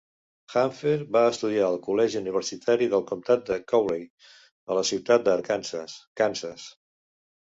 Hafner va estudiar a col·legi universitari del comtat de Cowley a la ciutat d'Arkansas, Kansas.